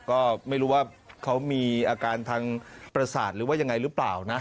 ก็ไม่รู้ว่าเขามีอาการทางประสาทหรือว่ายังไงหรือเปล่านะ